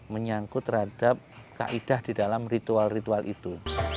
menyangkut terhadap kaidah di dalam ritual ritual itu